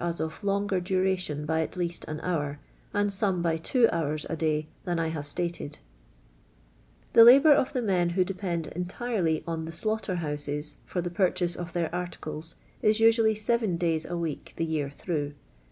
IS of jongcr duration by at Inist an hour, and SOUR* by two ))oiirs, a day, thaii I havo stated. Thf hiliour of iiu» ni n who depend entirely on " ilii» slaughter luuiwa" for th* purvh:\K» of tlieir Article.s is usually seven days a week the year thniui h.